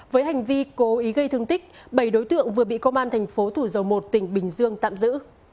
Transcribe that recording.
với hành vi cố ý gây thương tích bảy đối tượng vừa bị công an thành phố thủ dầu một tỉnh bình dương tạm giữ